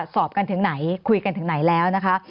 สอบกันถึงไหนคุยกันถึงไหนแล้วนะคะ